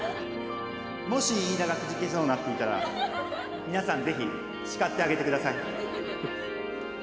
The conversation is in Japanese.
もしイイダがくじけそうになっていたら皆さんぜひ叱ってあげてください。